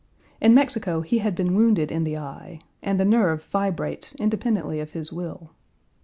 In Mexico he had been wounded in the eye, and the nerve vibrates independently of his will.